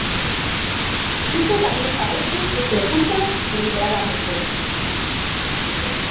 Iso tamén parece que se oculta deliberadamente.